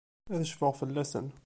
Ad cfuɣ fell-asen.